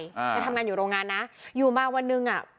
ไปทำงานอยู่โรงงานอยู่มาวันหนึ่ง